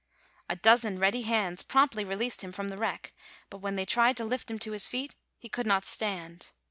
A dozen ready hands promptly released him from the wreck, but when they tried to lift him to his feet he could not stand.